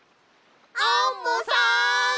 アンモさん！